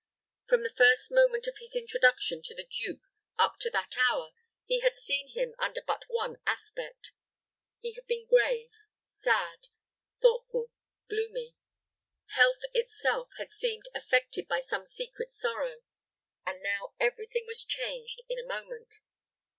From the first moment of his introduction to the duke up to that hour, he had seen him under but one aspect. He had been grave, sad, thoughtful, gloomy. Health itself had seemed affected by some secret sorrow; and now every thing was changed in a moment.